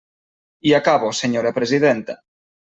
I acabo, senyora presidenta.